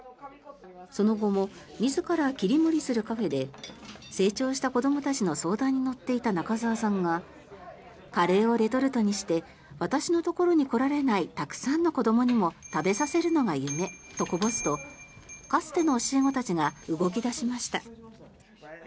その後も自ら切り盛りするカフェで成長した子どもたちの相談に乗っていた中澤さんがカレーをレトルトにして私のところに来られないたくさんの子どもにも食べさせるのが夢とこぼすとかつての教え子たちが動き出しました。